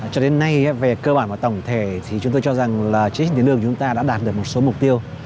cho đến nay về cơ bản và tổng thể thì chúng tôi cho rằng là chế hình tiền lương của chúng ta đã đạt được một số mục tiêu